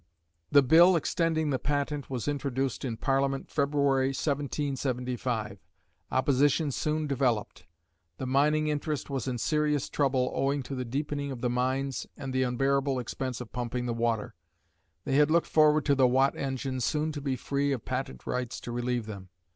The bill extending the patent was introduced in Parliament February, 1775. Opposition soon developed. The mining interest was in serious trouble owing to the deepening of the mines and the unbearable expense of pumping the water. They had looked forward to the Watt engine soon to be free of patent rights to relieve them.